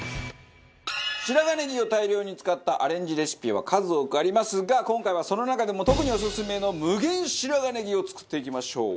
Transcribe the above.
白髪ネギを大量に使ったアレンジレシピは数多くありますが今回はその中でも特にオススメの無限白髪ネギを作っていきましょう。